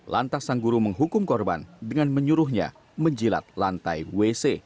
lantas sang guru menghukum korban dengan menyuruhnya menjilat lantai wc